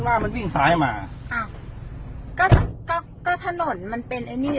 ว่ามันวิ่งซ้ายมาอ้าวก็ก็ก็ถนนมันเป็นไอ้นี่